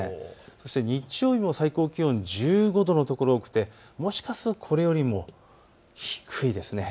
そして日曜日の最高気温１５度の所が多くてもしかするとこれよりも低いですね。